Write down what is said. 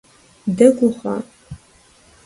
Дэгу ухъуа?